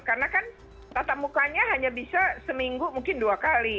karena kan tatap mukanya hanya bisa seminggu mungkin dua kali